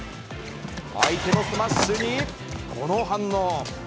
相手のスマッシュに、この反応。